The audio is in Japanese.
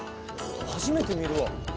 「初めて見るわ」